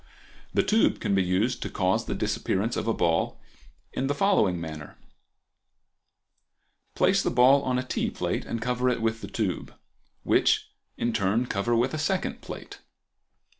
The tube can be used to cause the disappearance of a ball in the following manner:—Place the ball on a tea plate and cover it with the tube, which in turn cover with a second plate.